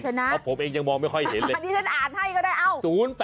เพราะผมเองยังมองไม่ค่อยเห็นเลย